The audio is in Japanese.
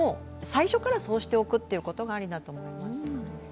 最初からそうしておくこともありだと思います。